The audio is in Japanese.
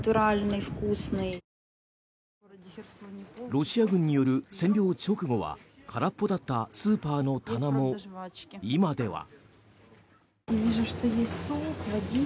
ロシア軍による占領直後は空っぽだったスーパーの棚も今では。